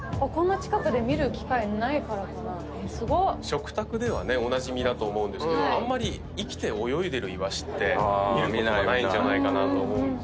食卓ではねおなじみだと思うんですがあんまり生きて泳いでるイワシって見ることがないんじゃないかなと思うんです。